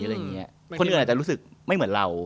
คนอื่นอาจจะรู้สึกไม่เหมือนเรา